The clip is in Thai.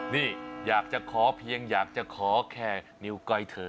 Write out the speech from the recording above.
นี่อยากจะขอเพียงอยากจะขอแค่นิ้วก้อยเธอ